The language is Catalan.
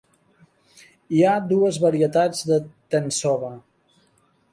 Hi ha dues varietats de "tensoba".